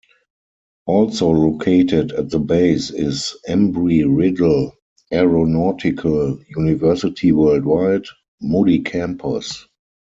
Also located at the base is Embry-Riddle Aeronautical University-Worldwide: Moody Campus.